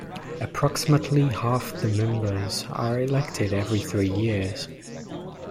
Approximately half the members are elected every three years.